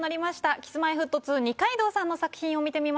Ｋｉｓ−Ｍｙ−Ｆｔ２二階堂さんの作品を見てみましょう。